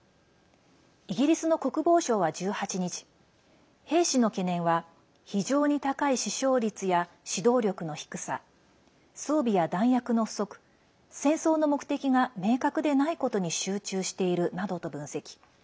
イギリスの国防省は１８日兵士の懸念は非常に高い死傷率や指導力の低さ装備や弾薬の不足戦争の目的が明確でないことに集中しているなどと分析。